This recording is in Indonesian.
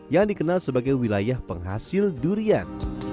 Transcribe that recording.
yang dikenal sebagai wilayah penghasil durian